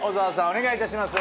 お願いします。